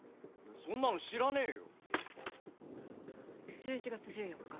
１１月１４日